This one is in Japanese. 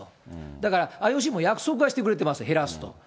だからＩＯＣも約束はしてくれてます、減らすと。